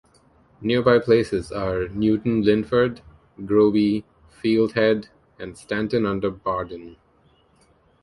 Nearby places are Newtown Linford, Groby, Field Head, and Stanton under Bardon.